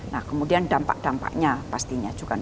nah kemudian dampak dampaknya pastinya juga